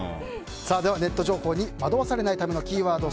ネット情報に惑わされないためのキーワード